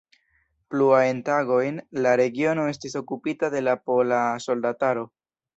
Pluajn tagojn la regiono estis okupita de la pola soldataro.